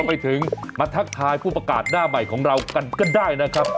ไปถึงมาทักทายผู้ประกาศหน้าใหม่ของเรากันก็ได้นะครับ